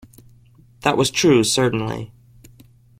That was true, certainly.